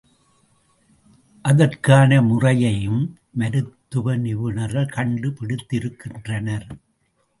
அதற்கான முறையையும் மருத்துவ நிபுணர்கள் கண்டு பிடித்திருக்கின்றனர்.